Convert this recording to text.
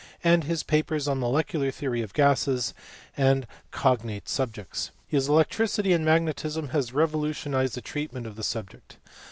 and his papers on the molecular theory of gases and cognate 496 MATHEMATICAL PHYSICS. subjects. His Electricity and Magnetism has revolutionized the treatment of the subject.